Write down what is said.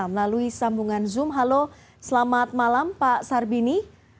melalui sambungan zoom halo selamat malam pak sarbini